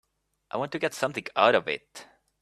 I want to get something out of it.